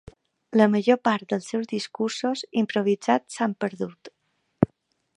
La major part els seus discursos improvisats s'han perdut.